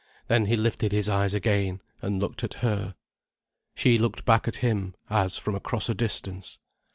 Then he lifted his eyes again, and looked at her. She looked back at him, as from across a distance.